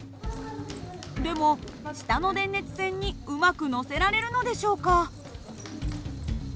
でも下の電熱線にうまくのせられるのでしょうか。